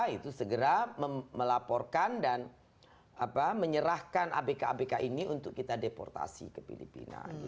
itu segera melaporkan dan menyerahkan abk abk ini untuk kita deportasi ke filipina